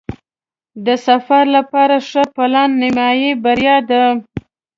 د سفر لپاره ښه پلان نیمایي بریا ده.